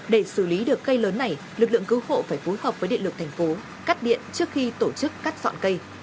để xử lý được cây lớn này lực lượng cứu hộ phải phối hợp với địa lực thành phố cắt điện trước khi tổ chức cắt dọn cây